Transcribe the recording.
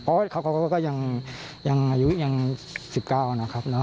เพราะเขาก็ยังไม่อยู่ยัง๑๙นะครับ